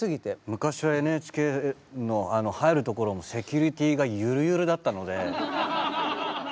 昔はＮＨＫの入るところのセキュリティーがゆるゆるだったので。